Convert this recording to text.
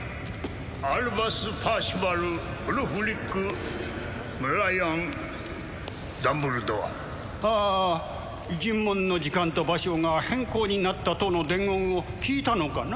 アルバス・パーシバル・ウルフリック・ブライアン・ダンブルドアああ尋問の時間と場所が変更になったとの伝言を聞いたのかな？